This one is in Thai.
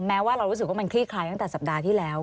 แม้ว่าเรารู้สึกว่ามันคลี่คลายตั้งแต่สัปดาห์ที่แล้ว